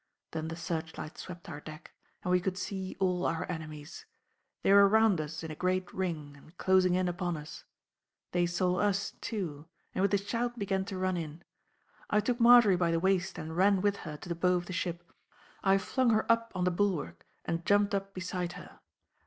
Then the searchlight swept our deck, and we could see all our enemies. They were round us in a great ring and closing in upon us. They saw us, too, and with a shout began to run in. I took Marjory by the waist and ran with her to the bow of the ship; I flung her up on the bulwark and jumped up beside her.